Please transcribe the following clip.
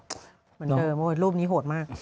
เหมือนเดิมรูปนี้โหดมาก